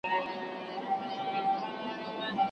خلکو آباد کړل خپل وطنونه